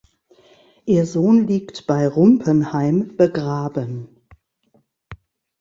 Ihr Sohn liegt bei Rumpenheim begraben.